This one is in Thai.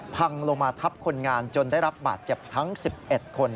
พังลงมาทับคนงานจนได้รับบาดเจ็บทั้ง๑๑คน